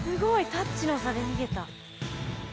タッチの差で逃げた。